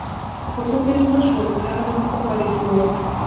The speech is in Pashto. خو څه پېښ نه شول، تیاره هم په خپرېدو وه.